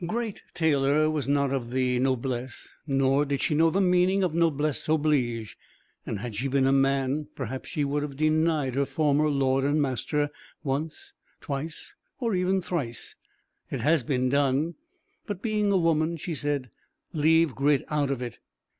Great Taylor was not of the noblesse, nor did she know the meaning of noblesse oblige; and had she been a man, perhaps she would have denied her former lord and master once, twice, or even thrice it has been done; but being a woman, she said: "Leave Grit out of it."